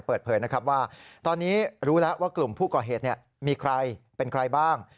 เปิดเผยนะครับว่าตอนนี้รู้แล้วว่ากลุ่มผู้ก่อเหตุมีใครเป็นใครบ้าง